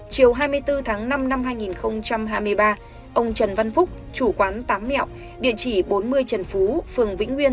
chiều hai mươi bốn tháng năm năm hai nghìn hai mươi ba ông trần văn phúc chủ quán tám mẹo địa chỉ bốn mươi trần phú phường vĩnh nguyên